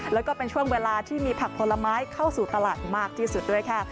แล้วก็เป็นช่วงเวลาที่มีผักผลไม้เข้าสู่ตลาดมากที่สุดด้วยค่ะ